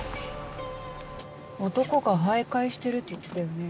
男が徘徊してるって言ってたよね。